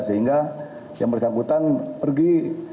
sehingga yang bersangkutan pergi